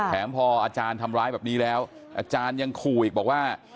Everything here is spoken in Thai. แถมพออาจารย์ทำร้ายแบบนี้แล้วอาจารย์ยังขู่อีกบอกว่า